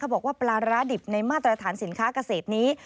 บอกว่าปลาร้าดิบในมาตรฐานสินค้าเกษตรนี้